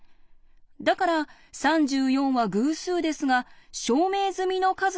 だから３４は偶数ですが証明済みの数とは言えません。